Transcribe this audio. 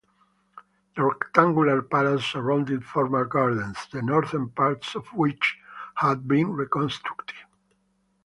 The rectangular palace surrounded formal gardens, the northern parts of which have been reconstructed.